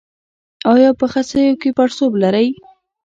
ایا په خصیو کې پړسوب لرئ؟